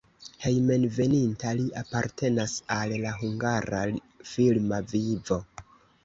Hejmenveninta li apartenas al la hungara filma vivo.